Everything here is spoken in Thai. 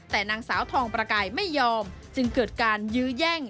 แต่นางสาวทองประกายไม่ยอมจึงเกิดการยื้อแย่ง